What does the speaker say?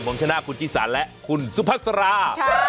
ผมชนะคุณจิสันและคุณสุภาษารา